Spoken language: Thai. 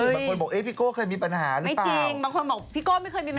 บางคนบอกพี่โก้เคยมีปัญหาหรือเปล่า